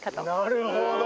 「なるほど！」